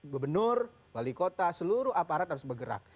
gubernur wali kota seluruh aparat harus bergerak